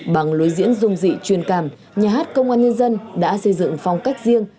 bằng lối diễn dung dị truyền cảm nhà hát công an nhân dân đã xây dựng phong cách riêng